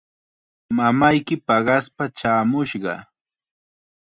Mamayki paqaspa chaamushqa.